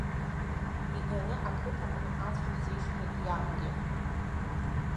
Иганы ақыҭаҟны ацә рзишьхьеит иабгьы.